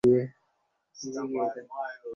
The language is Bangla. তোমরা আজরাতটা আমার বাসায় কাটাতে পারো।